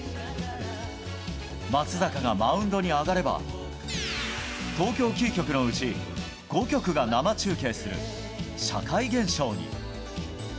松坂がマウンドに上がれば東京キー局のうち５局が生中継する社会現象に。